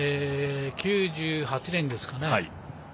９８年ですかね。